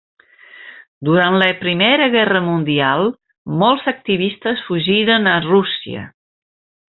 Durant la Primera Guerra Mundial, molts activistes fugiren a Rússia.